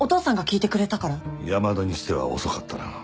山田にしては遅かったな。